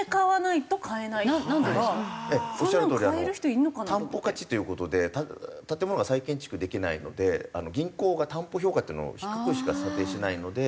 おっしゃるとおり担保価値という事で建物が再建築できないので銀行が担保評価っていうのを低くしか査定しないので。